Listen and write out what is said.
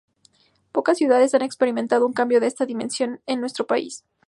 Pocas ciudades han experimentado un cambio de estas dimensiones en nuestro país.